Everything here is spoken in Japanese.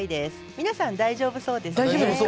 皆さん、大丈夫そうですね。